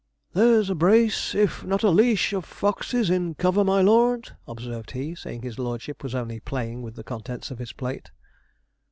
'There's a brace, if not a leash, of foxes in cover, my lord,' observed he, seeing his lordship was only playing with the contents of his plate.